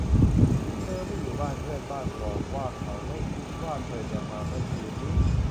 เธอไม่อยู่บ้านเพื่อนบ้านบอกว่าเขาไม่คิดว่าเธอจะมาเมื่อคืนนี้